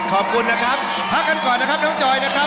ขอบคุณนะครับพักกันก่อนนะครับน้องจอยนะครับ